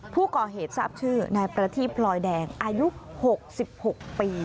ผู้ก่อเหตุทราบชื่อนายประทีพลอยแดงอายุ๖๖ปี